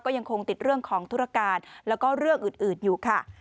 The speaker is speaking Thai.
ยังคงติดเรื่องของธุรการแล้วก็เรื่องอื่นอยู่ค่ะ